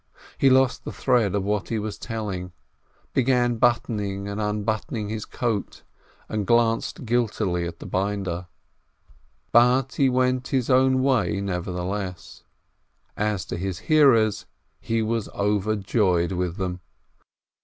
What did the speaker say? He lost the thread of what he was telling, began buttoning and unbuttoning his coat, and glanced guiltily at the binder. But he went his own way nevertheless. As to his hearers, he was overjoyed with them.